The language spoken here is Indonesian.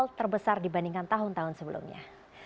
total terbesar dibandingkan tahun tahun sebelumnya